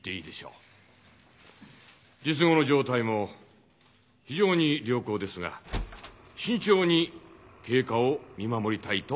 術後の状態も非常に良好ですが慎重に経過を見守りたいと思います。